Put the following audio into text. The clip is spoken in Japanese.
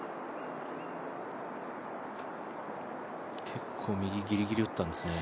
結構右ギリギリ打ったんですね。